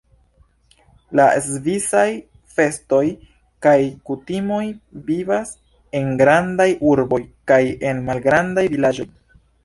La svisaj festoj kaj kutimoj vivas en grandaj urboj kaj en malgrandaj vilaĝoj.